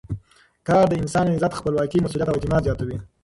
کار د انسان عزت، خپلواکي، مسؤلیت او اعتماد زیاتوي.